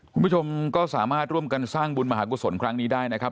คุณผู้ชมก็สามารถร่วมกันสร้างบุญมหากุศลครั้งนี้ได้นะครับ